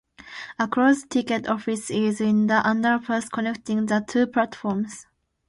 A closed ticket office is in the underpass connecting the two platforms.